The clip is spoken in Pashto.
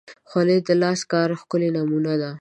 خولۍ د لاسي کار ښکلی نمونه ده.